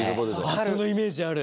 そのイメージある。